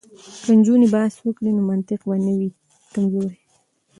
که نجونې بحث وکړي نو منطق به نه وي کمزوری.